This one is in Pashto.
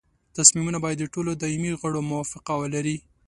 تصمیمونه باید د ټولو دایمي غړو موافقه ولري.